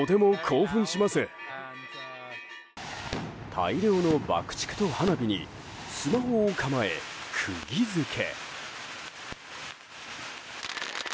大量の爆竹と花火にスマホを構え、釘付け。